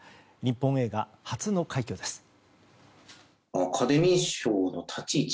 日本映画初の快挙です。